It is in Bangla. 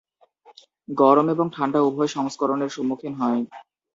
গরম এবং ঠান্ডা উভয় সংস্করণের সম্মুখীন হয়।